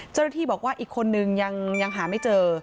เจ้าหน้าที่บอกว่าอีกคนนึงยังหาไม่เจอ